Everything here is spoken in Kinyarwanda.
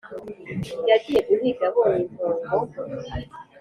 yagiye guhiga abonye impongo